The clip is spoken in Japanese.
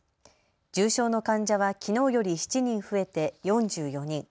重症の患者はきのうより７人増えて４４人。